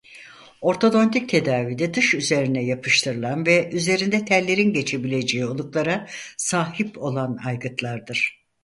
Ortodontik tedavide diş üzerine yapıştırılan ve üzerinde tellerin geçebileceği oluklara sahip olan aygıtlardır.